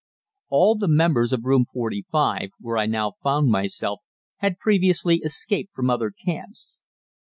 All the members of Room 45, where I now found myself, had previously escaped from other camps.